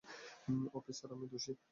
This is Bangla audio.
অফিসার, আমি দোষী।